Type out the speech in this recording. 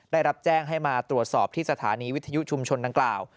ได้รับแจ้งให้มาตรวจสอบที่สถานีวิทยุชุมชนดังกล่าว